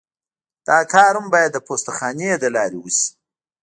دا کار هم باید د پوسته خانې له لارې وشي